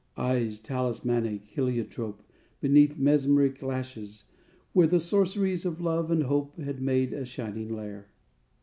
_ _Eyes, talismanic heliotrope, Beneath mesmeric lashes, where The sorceries of love and hope Had made a shining lair.